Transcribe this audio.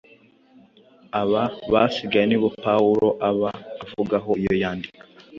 Aba basigaye ni bo Pawulo aba avugaho iyo yandika